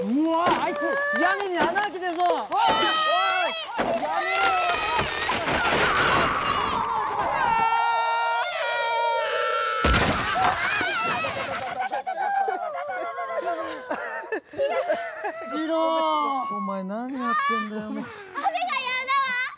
あめがやんだわ！